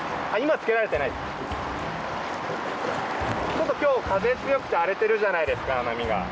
ちょっと今日、風強くて荒れているじゃないですか波が。